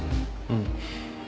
うん。